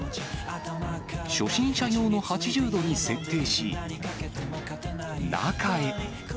初心者用の８０度に設定し、中へ。